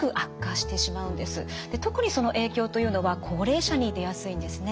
特にその影響というのは高齢者に出やすいんですね。